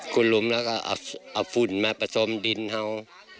คุณลุมแล้วก็เอาฝุ่นมาผสมดินเอา